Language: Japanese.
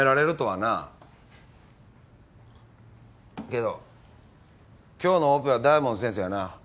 けど今日のオペは大門先生やな。